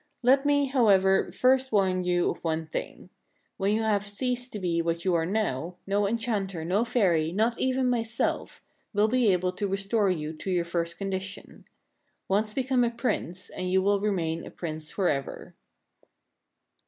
Let me, however, first warn you of one thing. When you have ceased to be what you are now, no enchanter, no fairy, not even my self, will be able to restore you to your first condition. Once become a Prince, and you will remain a Prince forever."